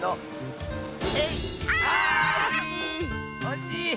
おしい！